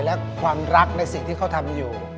และความรักในสิ่งที่เขาทำอยู่